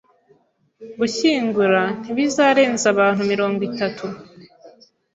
Gushyingura ntibizarenza abantu mirongo itatu